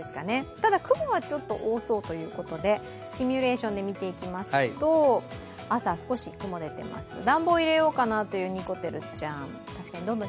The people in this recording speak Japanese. ただ雲はちょっと多そうということで、シミュレーションで見ていきますと朝、少し雲出てます、暖房入れようかなとにこてるちゃん。